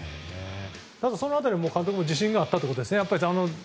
この辺りも監督は自信があったということですね。